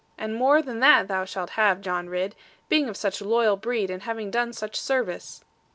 And more than that shalt thou have, John Ridd, being of such loyal breed, and having done such service.'